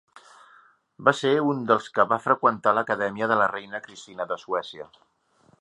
Va ser un dels que va freqüentar l'acadèmia de la reina Christina de Suècia.